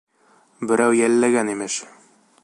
Берәү йәлләгән, имеш!